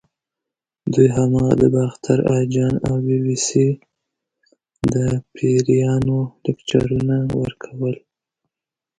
دوی هماغه د باختر اجان او بي بي سۍ د پیریانو لیکچرونه ورکول.